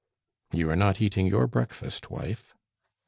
"You are not eating your breakfast, wife."